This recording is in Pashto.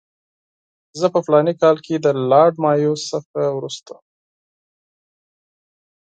زه په فلاني کال کې د لارډ مایو څخه وروسته.